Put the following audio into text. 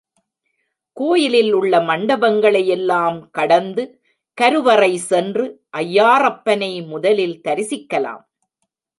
கோயிலில் உள்ள மண்டபங்களை யெல்லாம் கடந்து கருவறை சென்று ஐயாறப்பனை முதலில் தரிசிக்கலாம்.